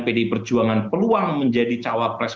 pdi perjuangan peluang menjadi cawapres